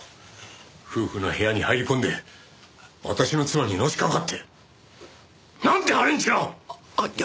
夫婦の部屋に入り込んで私の妻にのしかかって。なんて破廉恥な！